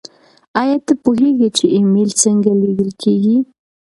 ایا ته پوهېږې چې ایمیل څنګه لیږل کیږي؟